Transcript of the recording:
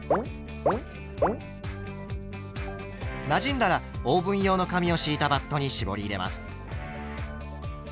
なじんだらオーブン用の紙を敷いたバットに絞り入れます。